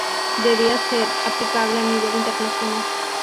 Debía ser aplicable a nivel internacional.